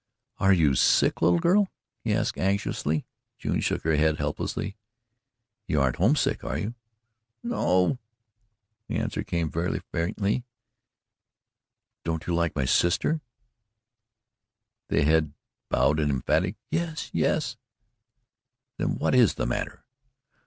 "Are you sick, little girl?" he asked anxiously. June shook her head helplessly. "You aren't homesick, are you?" "No." The answer came very faintly. "Don't you like my sister?" The head bowed an emphatic "Yes yes." "Then what is the matter?"